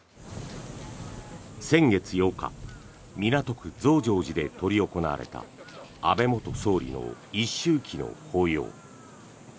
先月８日港区・増上寺で執り行われた安倍元総理の一周忌の法要。